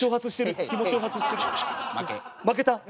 負けた。